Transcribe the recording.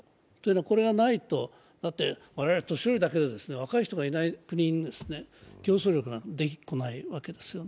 これがないと、だって我々年寄りだけで若い人がいない国に競争力なんてできっこないわけですよね。